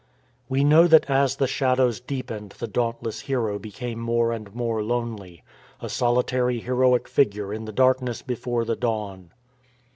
We know that as the shadows deepened the daunt less hero became more and more lonely — a solitary heroic figure in the darkness before the dawn.